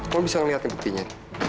kamu bisa ngeliatin buktinya